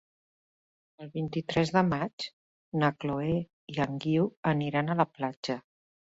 El vint-i-tres de maig na Chloé i en Guiu aniran a la platja.